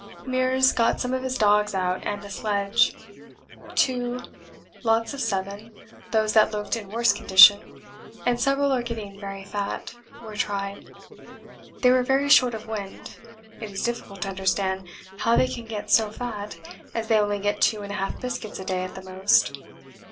Meares got some of his dogs out and a sledge two lots of seven those that looked in worst condition (and several are getting very fat) were tried. They were very short of wind it is difficult to understand how they can get so fat, as they only get two and a half biscuits a day at the most.